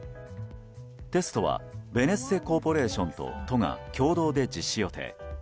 テストはベネッセコーポレーションと都が共同で実施予定。